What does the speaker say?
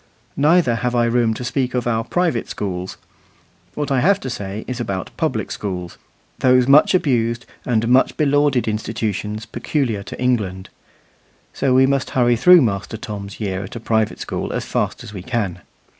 Neither have I room to speak of our private schools. What I have to say is about public schools those much abused and much belauded institutions peculiar to England. So we must hurry through Master Tom's year at a private school as fast as we can.